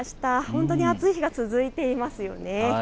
本当に暑い日が続いていますよね。